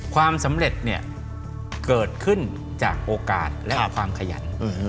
ความสำเร็จเนี่ยเกิดขึ้นจากโอกาสและความขยัน